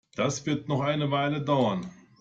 Das wird noch eine Weile dauern.